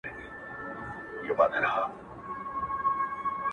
خپه په دې یم چي زه مرم ته به خوشحاله یې؛